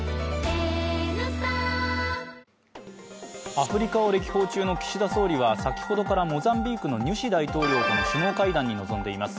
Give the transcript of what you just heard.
アフリカを歴訪中の岸田総理は先ほどからモザンビークのニュシ大統領との首脳会談に臨んでいます。